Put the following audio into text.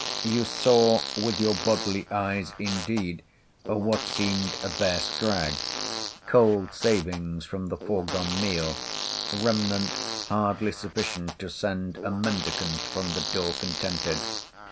You saw with your bodily eyes indeed what seemed a bare scrag—cold savings from the foregone meal—remnant hardly sufficient to send a mendicant from the door contented.